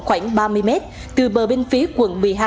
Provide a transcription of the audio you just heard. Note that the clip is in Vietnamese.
khoảng ba mươi mét từ bờ bên phía quận một mươi hai